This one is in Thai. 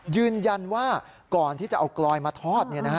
ยืนยันว่าก่อนที่จะเอากลอยมาทอด